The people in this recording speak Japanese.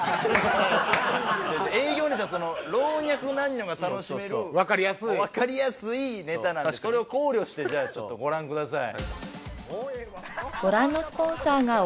営業ネタ老若男女が楽しめるわかりやすいネタなんでそれを考慮してじゃあちょっとご覧ください。